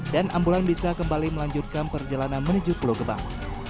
dan ambulan bisa kembali melanjutkan perjalanan menuju pulau gebang